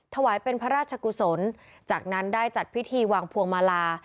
ถวายเป็นพระราชกุศลจากนั้นได้จัดพิธีวางพวงมาลา